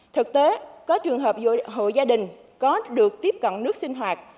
thực tế có trường hợp hội gia đình có được tiếp cận nước sinh hoạt